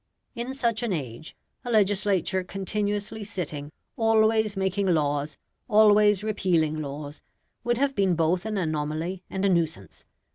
In such an age a legislature continuously sitting, always making laws, always repealing laws, would have been both an anomaly and a nuisance.